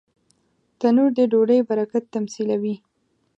تنور د ډوډۍ برکت تمثیلوي